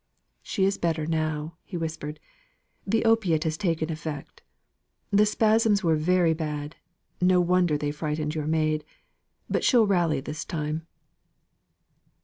"She is better now," he whispered. "The opiate has taken effect. The spasms were very bad: no wonder they frightened your maid; but she'll rally this time."